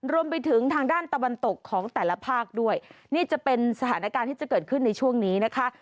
รวมไปถึงทางด้านตะวันตกของแต่ละภาคด้วยนี่จะเป็นสถานการณ์ที่จะเกิดขึ้นในช่วงนี้นะคะ